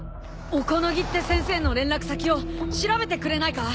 小此木って先生の連絡先を調べてくれないか？